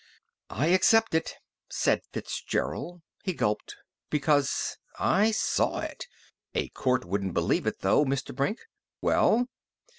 "I accept it," said Fitzgerald. He gulped. "Because I saw it. A court wouldn't believe it, though, Mr. Brink!" "Well?"